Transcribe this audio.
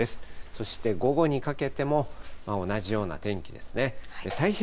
そして、午後にかけても同じような天気ですね。